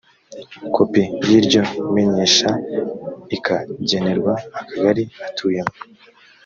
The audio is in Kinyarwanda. kopi y’ iryo menyesha ikagenerwa akagari atuyemo